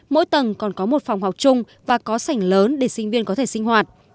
mỗi tầng còn có một phòng học chung và có sảnh lớn để sinh viên có thể sinh hoạt